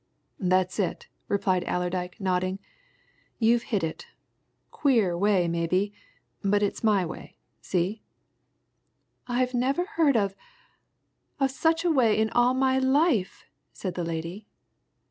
"That's it," replied Allerdyke, nodding. "You've hit it. Queer way, maybe but it's my way. See?" "I never heard of of such a way in all my life!" said the lady.